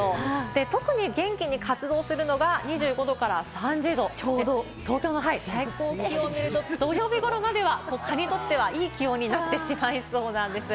特に元気に活動するのが２５度から３０度、東京の最高気温を見ると、土曜日までは蚊にとっていい気温になってしまいそうです。